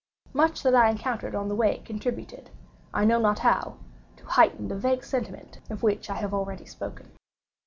Much that I encountered on the way contributed, I know not how, to heighten the vague sentiments of which I have already spoken.